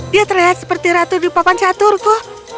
dia terlihat seperti ratu di papan caturku